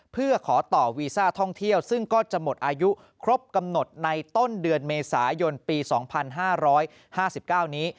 เพื่อขอต่อวีซ่าท่องเที่ยวซึ่งก็จะหมดอายุครบกำหนดในต้นเดือนเมษายนปี๒๕๕๙นี้